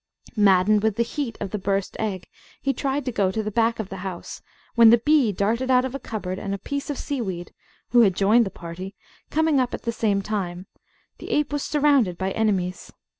Maddened with the heat of the burst egg, he tried to go to the back of the house, when the bee darted out of a cupboard, and a piece of seaweed, who had joined the party, coming up at the same time, the ape was surrounded by enemies.